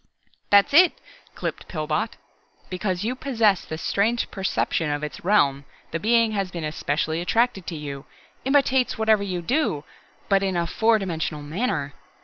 "That's it," clipped Pillbot. "Because you possess this strange perception of Its realm the Being has been especially attracted to you, imitates whatever you do, but in a four dimensional manner.